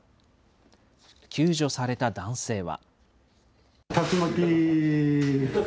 救助された男性は。